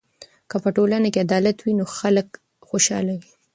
که په ټولنه کې عدالت وي نو خلک خوشحاله وي.